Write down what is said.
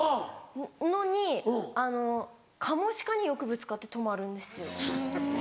のにカモシカによくぶつかって止まるんですよ。